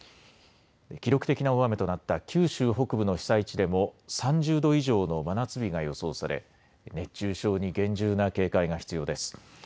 記録的な大雨となった九州北部の被災地でも３０度以上の真夏日が予想され熱中症に厳重な警戒が必要です。